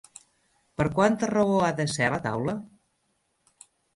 Per quanta raó ha de ser la taula?